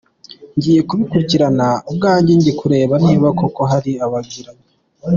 Ngiye kubikurikirana ubwanjye, njye kureba niba koko hari abagihari.